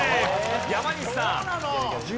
山西さん。